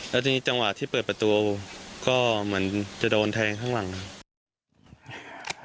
แล้วทีนี้จังหวะที่เปิดประตูก็เหมือนจะโดนแทงข้างหลังครับ